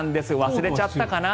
忘れちゃったかな。